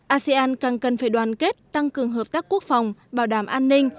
asean càng cần phải đoàn kết tăng cường hợp tác quốc phòng bảo đảm an ninh